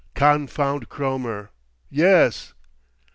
"Confound Cromer! Yes!"